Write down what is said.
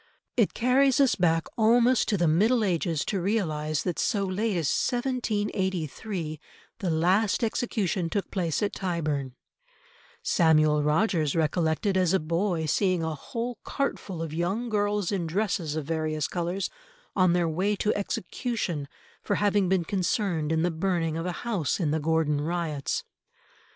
It carries us back almost to the Middle Ages to realise that so late as 1783 the last execution took place at Tyburn; Samuel Rogers recollected as a boy seeing a whole cartful of young girls in dresses of various colours on their way to execution for having been concerned in the burning of a house in the Gordon Riots.